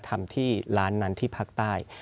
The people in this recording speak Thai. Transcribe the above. ทำที่ร้านนั้นที่ภาคใต้